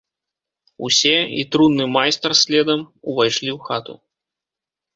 Усе, і трунны майстар следам, увайшлі ў хату.